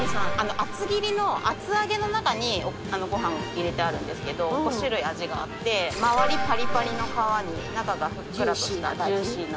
厚切りの厚揚げの中にご飯入れてあるんですけど５種類味があってまわりパリパリの皮に中がふっくらとしたジューシーな。